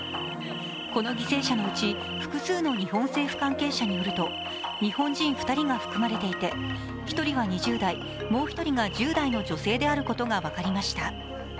この犠牲者のうち複数の日本政府関係者によると日本人２人が含まれていて１人は２０代、もう一人が１０代の女性であることが分かりました。